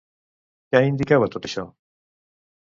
Què indicava tot això?